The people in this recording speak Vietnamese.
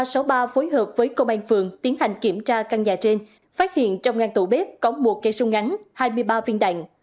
tổ ba trăm sáu mươi ba phối hợp với công an phường tiến hành kiểm tra căn nhà trên phát hiện trong ngang tổ bếp có một cây súng ngắn hai mươi ba viên đạn